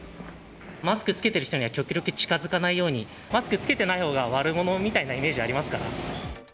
マスク着けてる人には極力近づかないように、マスク着けてないほうが悪者みたいなイメージありますから。